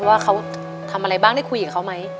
ว่าเขาทำอะไรบ้างได้คุยกับเขาไหม